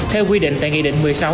theo quy định tại nghị định một mươi sáu